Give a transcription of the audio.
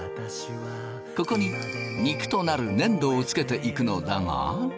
ここに肉となる粘土を付けていくのだが。